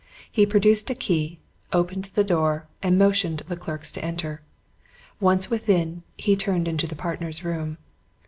He produced a key, opened the door, and motioned the clerks to enter. Once within, he turned into the partners' room.